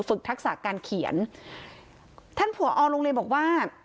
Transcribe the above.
ทักษะการเขียนท่านผอโรงเรียนบอกว่า